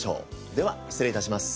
では失礼致します。